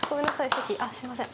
席すいません